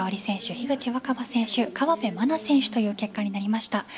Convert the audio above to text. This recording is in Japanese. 樋口新葉選手河辺愛菜選手という結果になりました。